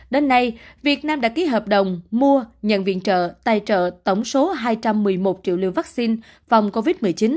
đến nay việt nam đã ký hợp đồng mua nhận viện trợ tài trợ tổng số hai trăm một mươi một triệu liều vaccine phòng covid một mươi chín